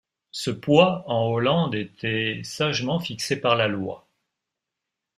Ce poids en Hollande était sagement fixé par la loi.